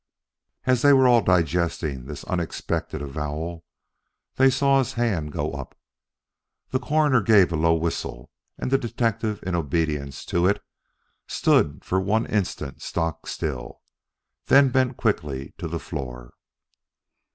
As they were all digesting this unexpected avowal, they saw his hand go up. The Coroner gave a low whistle, and the detective in obedience to it stood for one instant stock still then bent quickly to the floor.